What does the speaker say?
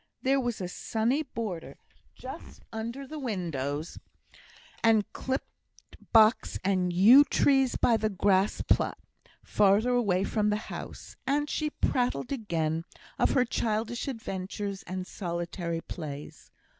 There was a sunny border just under the windows, and clipped box and yew trees by the grass plat, further away from the house; and she prattled again of her childish adventures and solitary plays.